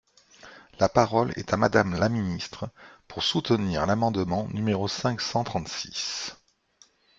La parole est à Madame la ministre, pour soutenir l’amendement numéro cinq cent trente-six.